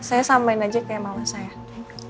saya samain aja ke mama sayang